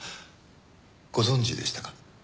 ご存じでしたか？